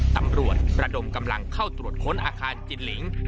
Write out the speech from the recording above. ตำรวจระดมกำลังเข้าตรวจค้นอาคารจินลิง